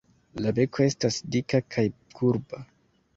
La beko estas dika kaj kurba.